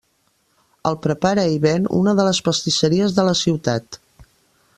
El prepara i ven una de les pastisseries de la ciutat.